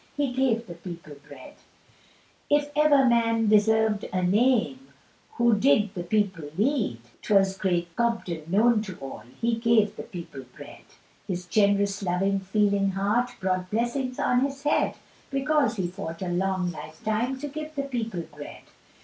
"He gave the people bread." If ever man deserved a name, Who did the people lead, 'Twas Richard Cobden known to all, "He gave the people bread." His generous, loving, feeling heart Brought blessings on his head, Because he fought a long lifetime, "To give the people bread."